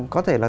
có thể là